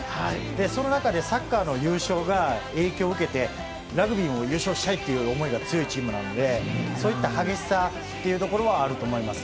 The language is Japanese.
その中でサッカーの優勝が影響を受けてラグビーも優勝したいという思いが強いチームなのでそういった激しさはあると思います。